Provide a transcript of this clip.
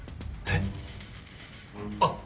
えっ？